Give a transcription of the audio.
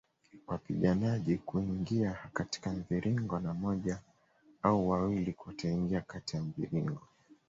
Wapiganaji huingia katika mviringo na moja au wawili wataingia kati ya mviringo